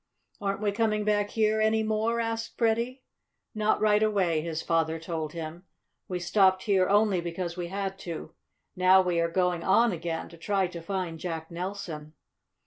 "Aren't we coming back here any more?" asked Freddie. "Not right away," his father told him. "We stopped here only because we had to. Now we are going on again and try to find Jack Nelson."